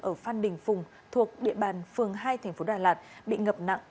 ở phan đình phùng thuộc địa bàn phường hai tp đà lạt bị ngập nặng